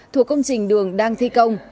thuộc công trình đường đang thi công